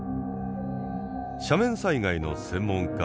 斜面災害の専門家